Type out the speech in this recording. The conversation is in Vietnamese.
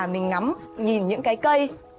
mình ngắm nhìn những cái cây